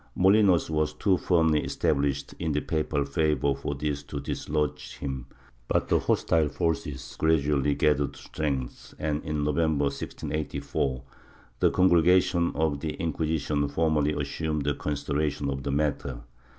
Molinos was too firmly established in the papal favor for this to dislodge him, but the hostile forces gradually gathered strength and, in November, 1684, the Congregation of the Inquisition formally assumed considera tion of the matter.